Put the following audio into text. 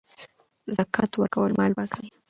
زکات ورکول مال پاکوي.